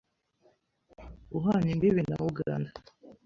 uhana imbibi na Uganda,